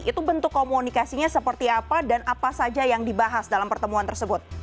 itu bentuk komunikasinya seperti apa dan apa saja yang dibahas dalam pertemuan tersebut